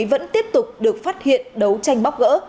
vẫn tiếp tục được phát hiện đấu tranh bóc gỡ